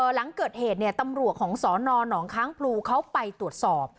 หลังเกิดเหตุตำรวจของสนหนองค้างพลูเขาไปตรวจสอบ